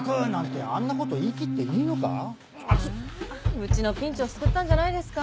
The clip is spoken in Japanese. うちのピンチを救ったんじゃないですか？